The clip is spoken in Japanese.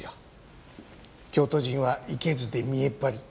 京都人はイケズで見栄っ張り。